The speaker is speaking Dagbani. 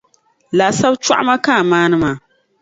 Laasabu chɔɣima ka a maani maa